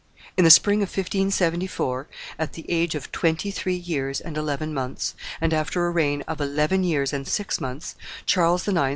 In the spring of 1574, at the age of twenty three years and eleven months, and after a reign of eleven years and six months, Charles IX.